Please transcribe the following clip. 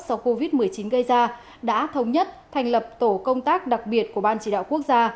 do covid một mươi chín gây ra đã thống nhất thành lập tổ công tác đặc biệt của ban chỉ đạo quốc gia